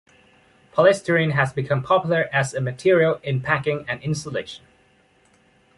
Polystyrene has become popular as a material in packing and insulation.